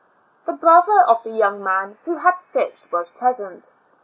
The brother of the young man who had fits was present.